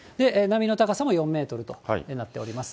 波の高さも４メートルとなっております。